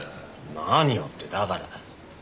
何をってだから。